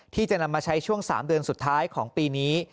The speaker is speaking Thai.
ที่จะนำมาใช้ช่วง๓เดือนสุดท้ายของปีนี้